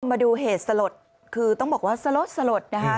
มาดูเหตุสลดคือต้องบอกว่าสลดนะคะ